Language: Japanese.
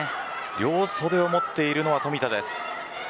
両袖を持っているのは冨田です。